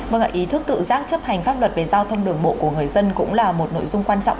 vâng ạ ý thức tự giác chấp hành pháp luật về giao thông đường bộ của người dân cũng là một nội dung quan trọng